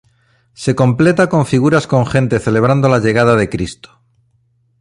Se completa con figuras con gente celebrando la llegada de Cristo.